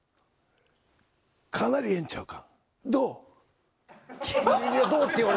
かなりええんちゃうか？